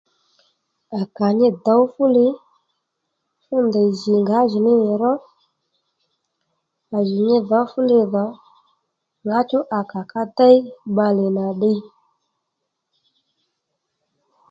À kà nyi dǒw fuli fú ndèy jì ngǎjìní nì ró à jì nyi dhǒ fúli dhò ŋǎchú à kà ka déy bbalè nà ddiy